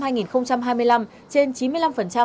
trên chín mươi năm hồ sơ công việc cấp tỉnh